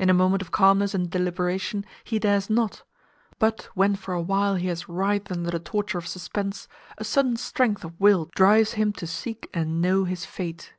—In a moment of calmness and deliberation he dares not, but when for a while he has writhed under the torture of suspense, a sudden strength of will drives him to seek and know his fate.